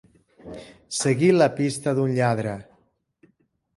Seguir la pista d'un lladre.